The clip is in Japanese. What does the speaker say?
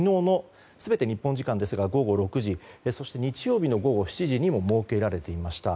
全て日本時間ですが昨日の午後６時日曜日の午後７時にも設けられていました。